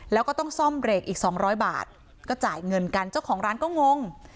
แล้วก็ต้องซ่อมเบรกอีก๒๐๐บาทก็จ่ายเงินกันเจ้าของร้านก็งง